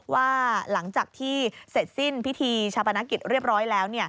ว่าหลังจากที่เสร็จสิ้นพิธีชาปนกิจเรียบร้อยแล้ว